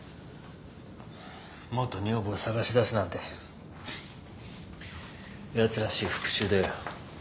元女房を捜し出すなんてやつらしい復讐だよ。